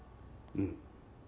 うん。